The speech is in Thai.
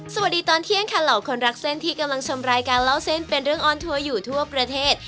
สวัสดีตอนเที่ยงค่ะเหล่าคนรักเส้นที่กำลังชมรายการเล่าเส้นเป็นเรื่องออนทัวร์อยู่ทั่วประเทศ